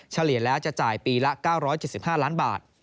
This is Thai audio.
เฉลี่ยแล้วจะจ่ายปีละ๙๗๕ล้านบาท